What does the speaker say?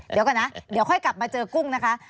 เดี๋ยวก่อนนะเดี๋ยวค่อยกลับมาเจอกุ้งนะคะ